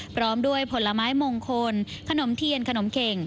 พร้อมด้วยผลไม้มงคลขนมเทียนขนมเข่ง